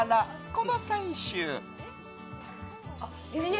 この３種。